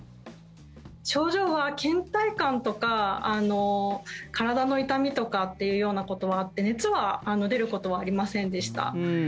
症状は、けん怠感とか体の痛みとかということはあって熱は出ることはありませんでした。